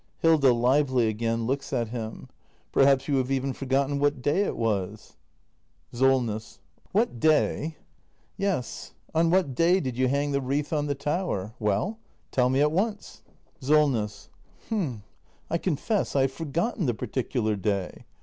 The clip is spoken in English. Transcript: Hilda. [Lively again, looks at him.] Perhaps you have even forgotten what day it was ? act i] THE MASTER BUILDER 307 SOLNESS. What day ? Hilda. Yes, on what day did you hang the wreath on the tower? Well? Tell me at once! SOLNESS. H'm — I confess I have forgotten the particular day.